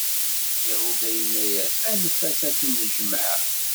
Yahuda yenna-yas: Anef-as ad ten-tejmeɛ!